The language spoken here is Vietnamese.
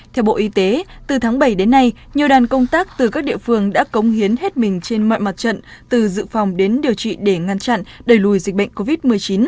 theo bộ y tế từ tháng bảy đến nay nhiều đoàn công tác từ các địa phương đã cống hiến hết mình trên mọi mặt trận từ dự phòng đến điều trị để ngăn chặn đẩy lùi dịch bệnh covid một mươi chín